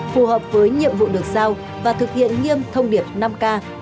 phù hợp với nhiệm vụ được giao và thực hiện nghiêm thông điệp năm k